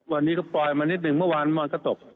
วันนี้ก็ปล่อยมานิดหนึ่งเมื่อวานมันก็ตก